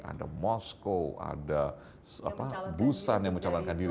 ada moskow ada busan yang mencalonkan diri